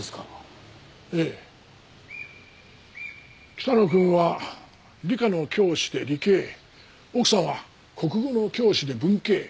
北野くんは理科の教師で理系奥さんは国語の教師で文系。